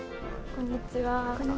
こんにちは。